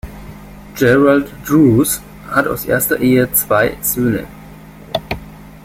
Gerald Drews hat aus erster Ehe zwei Söhne.